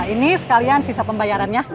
ini sekalian sisa pembayarannya